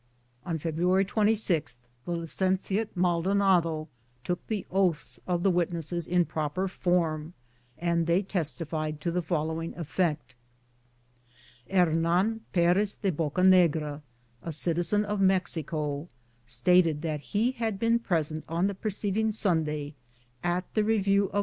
On February 26* the licentiate Maldo nado took the oaths of the witnesses in proper form, and they testified to the follow ing effect : Hernand Perez de Bocanegra, a citizen of Mexico, stated that he had been present on the preceding Sunday, at the review of the ]